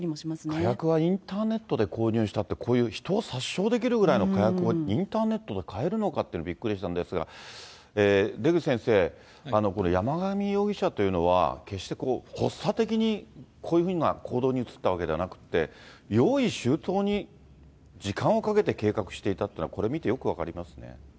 火薬はインターネットで購入したって、こういう人を殺傷できるぐらいの火薬をインターネットで買えるのかっていうのがびっくりしたんですが、出口先生、山上容疑者というのは、決して発作的にこういうふうな行動に移ったんではなくて、用意周到に時間をかけて計画していたというのは、これ見てよく分かりますね。